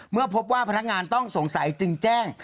เมื่อพบว่าพนักงานต้องสงสัยจึงแจ้ง